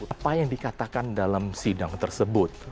apa yang dikatakan dalam sidang tersebut